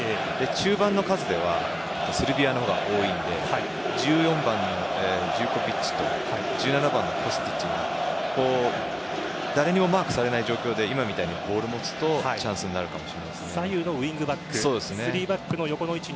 中盤の数ではセルビアのほうが多いので１４番のジヴコヴィッチと１７番のコスティッチが誰にもマークされない状態で今みたいにボールを持つとチャンスになるかもしれないです。